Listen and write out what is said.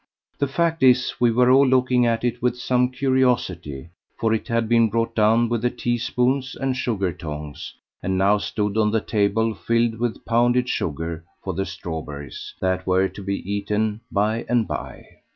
The fact is, we were all looking at it with some curiosity, for it had been brought down with the tea spoons and sugar tongs, and now stood on the table filled with pounded sugar for the strawberries that were to be eaten by and by.